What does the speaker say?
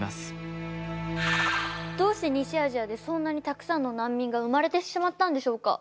どうして西アジアでそんなにたくさんの難民が生まれてしまったんでしょうか？